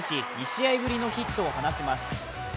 ２試合ぶりのヒットを放ちます。